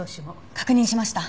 確認しました。